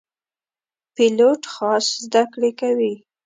پیلوټ خاص زده کړې کوي.